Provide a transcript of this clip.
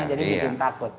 jadi bikin takut